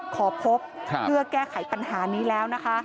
ขอพบเพื่อแก้ไขปัญหานี้แล้วนะคะ